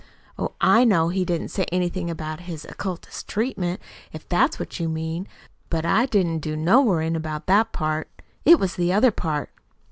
Oh, I know he didn't say anything about his occultist treatment, if that's what you mean. But I didn't do no worryin' about that part. It was the other part."